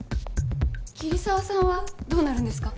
桐沢さんはどうなるんですか？